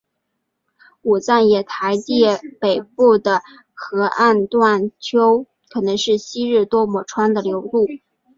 武藏野台地北部的河岸段丘可能是昔日多摩川的流路。